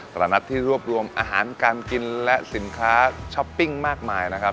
ตลาดนัดที่รวบรวมอาหารการกินและสินค้าช้อปปิ้งมากมายนะครับ